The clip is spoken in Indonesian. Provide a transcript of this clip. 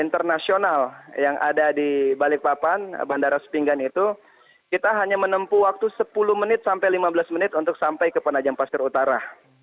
internasional yang ada di balikpapan bandara sepinggan itu kita hanya menempuh waktu sepuluh menit sampai lima belas menit untuk sampai ke penajam pasir utara